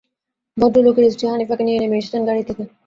ভদ্রলোকের স্ত্রী হানিফাকে নিয়ে নেমে এসেছেন গাড়ি থেকে।